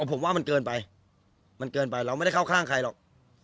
ผมว่ามันเกินไปมันเกินไปเราไม่ได้เข้าข้างใครหรอก